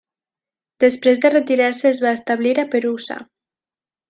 Després de retirar-se es va establir a Perusa.